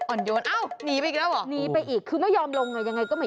โอ้โฮนี่มันโผ่หัวมาอีกแล้วใช่ค่ะโอ้โฮนี่มันโผ่หัวมาอีกแล้ว